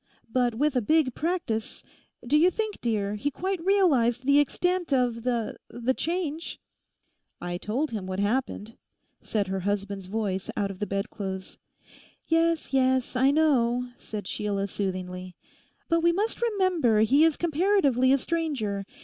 But with a big practice.... Do you think, dear, he quite realised the extent of the—the change?' 'I told him what happened,' said her husband's voice out of the bed clothes. 'Yes, yes, I know,' said Sheila soothingly; 'but we must remember he is comparatively a stranger.